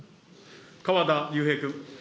川田龍平君。